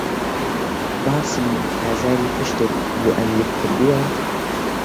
باسی ئازاری پشتتت بۆ ئەمیر کردووە؟